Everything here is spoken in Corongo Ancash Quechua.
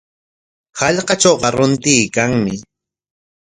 Hallqatrawqa runtuykanmi.